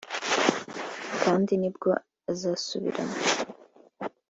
kandi nibwo uzasubiramo